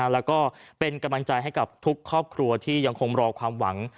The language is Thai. แล้วก็เป็นกำลังใจให้กับทุกครอบครัวที่ยังคงรอความหวัง